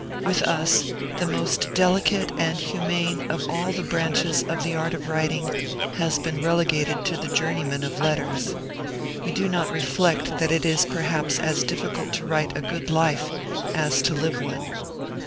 With us, the most delicate and humane of all the branches of the art of writing has been relegated to the journeymen of letters; we do not reflect that it is perhaps as difficult to write a good life as to live one.